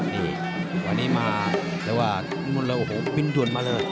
นี่วันนี้มาแต่ว่าโอ้โหบินด่วนมาเลย